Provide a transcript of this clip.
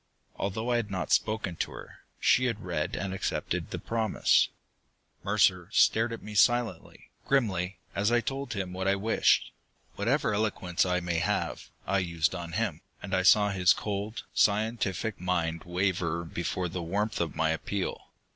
Although I had not spoken to her, she had read and accepted the promise. Mercer stared at me silently, grimly, as I told him what I wished. Whatever eloquence I may have, I used on him, and I saw his cold, scientific mind waver before the warmth of my appeal.